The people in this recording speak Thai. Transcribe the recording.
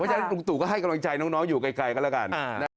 ฉะนั้นลุงตู่ก็ให้กำลังใจน้องอยู่ไกลกันแล้วกัน